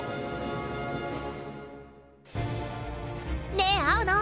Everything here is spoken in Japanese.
ねえ青野！